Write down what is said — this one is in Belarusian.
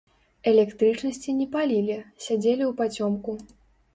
Электрычнасці не палілі, сядзелі ўпацёмку.